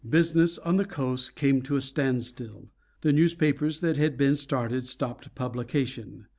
Business on the coast came to a standstill. The newspapers that had been started stopped publication.